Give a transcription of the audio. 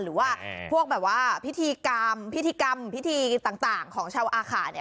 หรือว่าพวกแบบว่าพิธีกรรมพิธีกรรมพิธีต่างของชาวอาขาเนี่ย